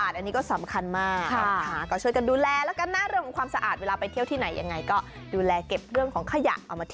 เยี่ยมเลยนะจะได้อำนวยความสะดวกด้วย